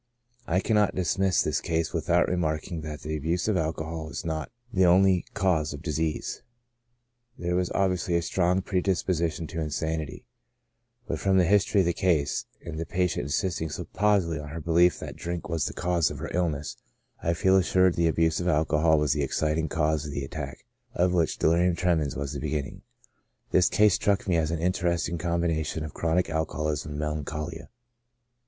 I cannot dismiss this case without remarking that the abuse of alcohol was not the only cause of disease ; there was obviously a strong predisposition to insanity ; but from the history of the case, and the patient insisting so positively on her belief that drink was the cause of her illness, I feel assured the abuse of alcohol was the exciting cause of the at tack, of which delirium tremens was the beginning. This case struck me as an interesting combination of chronic alcoholism and melancholia.